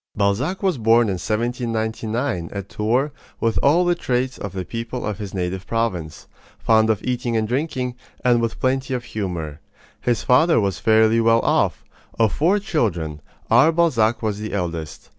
Balzac was born in 1799, at Tours, with all the traits of the people of his native province fond of eating and drinking, and with plenty of humor. His father was fairly well off. Of four children, our Balzac was the eldest.